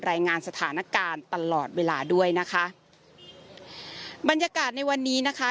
รายงานสถานการณ์ตลอดเวลาด้วยนะคะบรรยากาศในวันนี้นะคะ